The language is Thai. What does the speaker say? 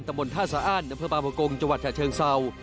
ตะบนท่าสะอ้านนำเพิ่มประมาณปกรงจังหวัดชะเชิงเศร้า